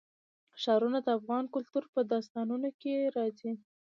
ښارونه د افغان کلتور په داستانونو کې راځي.